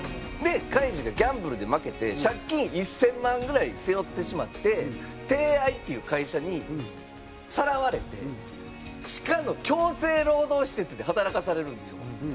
でカイジがギャンブルで負けて借金１０００万ぐらい背負ってしまって帝愛っていう会社にさらわれて地下の強制労働施設で働かされるんですよ。